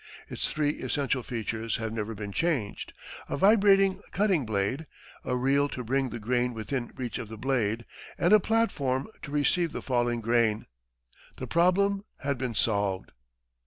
Its three essential features have never been changed a vibrating cutting blade, a reel to bring the grain within reach of the blade, and a platform to receive the falling grain. The problem had been solved.